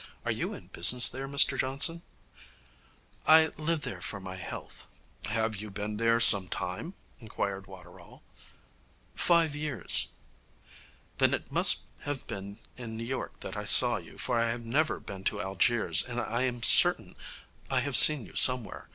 Are you in business there, Mr Johnson?' 'I live there for my health.' 'Have you been there some time?' inquired Waterall. 'Five years.' 'Then it must have been in New York that I saw you, for I have never been to Algiers, and I'm certain I have seen you somewhere.